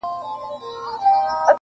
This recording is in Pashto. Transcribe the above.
په یوه کلي کي له ښاره څخه لیري لیري-